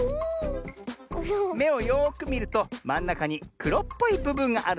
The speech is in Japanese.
めをよくみるとまんなかにくろっぽいぶぶんがあるだろう？